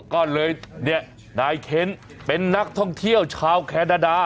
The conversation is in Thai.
ก็เลยเนี่ยนายเค้นเป็นนักท่องเที่ยวชาวแคนาดา